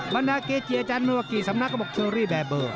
บรรณาเกเจียจันทร์เมื่อกี้สำนักก็บอกเชอรี่แบบเบอร์